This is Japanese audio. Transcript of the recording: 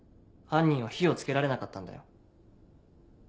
犯人は火を付けられなかったんだよ。